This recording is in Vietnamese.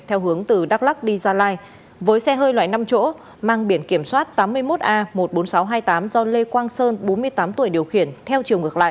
theo hướng từ đắk lắc đi gia lai với xe hơi loại năm chỗ mang biển kiểm soát tám mươi một a một mươi bốn nghìn sáu trăm hai mươi tám do lê quang sơn bốn mươi tám tuổi điều khiển theo chiều ngược lại